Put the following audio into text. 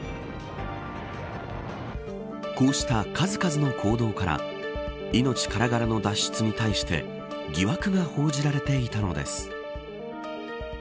こうした数々の行動から命からがらの脱出に対して疑惑が報じられていたのです。